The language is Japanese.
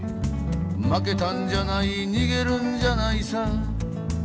「負けたんじゃない逃げるんじゃないさ」